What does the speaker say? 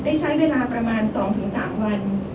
ได้ใช้เวลาประมาณ๒๓วัน